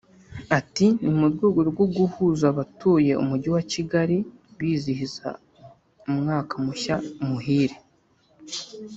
Ati “Ni mu rwego rwo guhuza abatuye Umujyi wa Kigali bizihiza umwaka mushya muhire